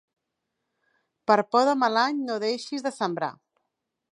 Per por de mal any no deixis de sembrar.